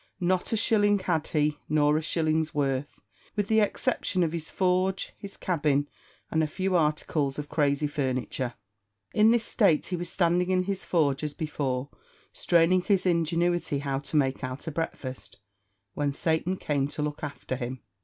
Not a shilling had he, nor a shilling's worth, with the exception of his forge, his cabin, and a few articles of crazy furniture. In this state he was standing in his forge as before, straining his ingenuity how to make out a breakfast, when Satan came to look after him.